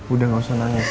udah gak usah nangis